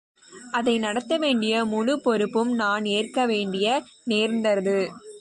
அதை நடத்தவேண்டிய முழுப் பொறுப்பும் நான் ஏற்கவேண்டி நேர்ந்தது.